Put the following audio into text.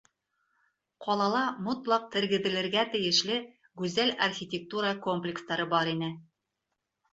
Ҡалала мотлаҡ тергеҙелергә тейешле гүзәл архитектура комплекстары бар ине.